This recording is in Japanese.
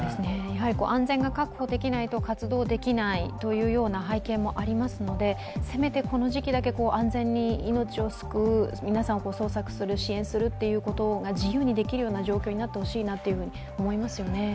安全が確保できないと活動できないという背景もありますのでせめてこの時期だけ安全に命を救う、皆さんを捜索する支援するということを自由にできるような状況になってほしいなと思いますね。